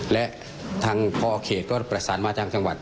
และทางพอเขตก็ประสานมาทางจังหวัด